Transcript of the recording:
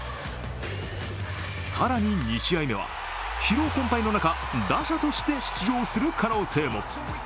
更に２試合目は、疲労困ぱいの中、打者として出場する可能性も。